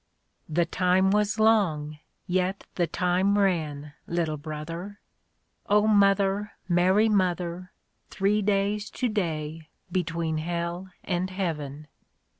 "The time was long, yet the time ran. Little brother." (0 Mother, Mary Mother, Three days tO'day, between Hell and Heaven